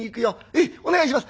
「ええお願いします。